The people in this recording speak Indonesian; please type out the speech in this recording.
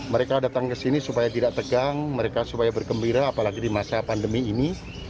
mereka datang ke sini supaya tidak tegang mereka supaya bergembira apalagi di masa pandemi ini